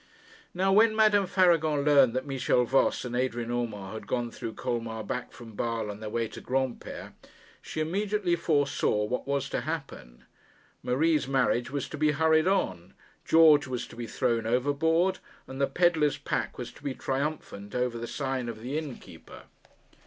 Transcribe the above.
Now, when Madame Faragon learned that Michel Voss and Adrian Urmand had gone through Colmar back from Basle on their way to Granpere, she immediately foresaw what was to happen. Marie's marriage was to be hurried on, George was to be thrown overboard, and the pedlar's pack was to be triumphant over the sign of the innkeeper.